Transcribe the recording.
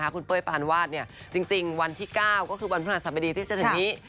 คุณเป้ยปานวาดจริงวันที่๙ก็คือวันพฤหัสบดีที่จะถึงนี้